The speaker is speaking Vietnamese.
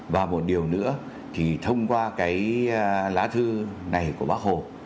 và một điều nữa thì thông qua cái lá thư này của bác hồ